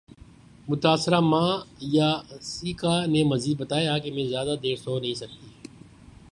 متاثرہ ماں یاسیکا نے مزید بتایا کہ میں زیادہ دیر سو نہیں سکتی